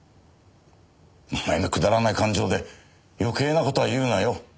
お前のくだらない感情で余計な事は言うなよ。